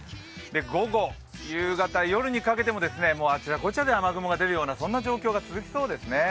午後、夕方、夜にかけてもあちらこちらで雨雲が出るような状況が続きそうですね。